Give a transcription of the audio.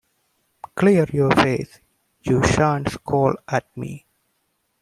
Clear your face: you shan’t scowl at me!